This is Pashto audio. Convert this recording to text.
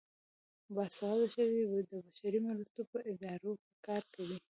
باسواده ښځې د بشري مرستو په ادارو کې کار کوي.